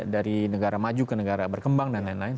dari negara maju ke negara berkembang dan lain lain